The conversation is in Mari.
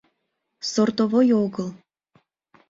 Сортовой огыл.